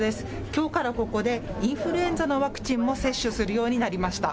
きょうからここでインフルエンザのワクチンも接種するようになりました。